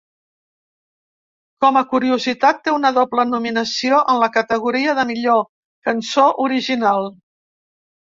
Com a curiositat, té una doble nominació en la categoria de millor cançó original.